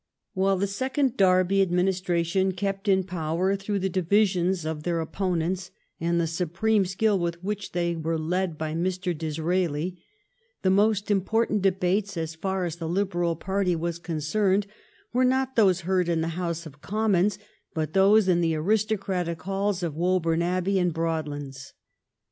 While the second Derby administration kept in power through the divisions of their opponents and the supreme skill with which they were led by Mr. Disraeli, the most important debates as far as the Liberal party was concerned were^ not those heard in the House of Commons, but those in the aristocratic halls of Wobum Abbey and Broadlands.